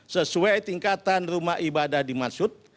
sesuai tingkatan rumah ibadah dimaksud